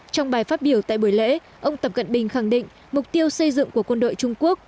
trong bài phát biểu tại buổi lễ ông tập cận bình khẳng định mục tiêu xây dựng của quân đội trung quốc